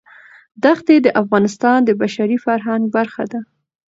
دښتې د افغانستان د بشري فرهنګ برخه ده.